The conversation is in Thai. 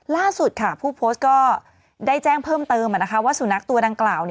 ล่าสุดค่ะผู้โพสต์ก็ได้แจ้งเพิ่มเติมว่าสุนัขตัวดังกล่าว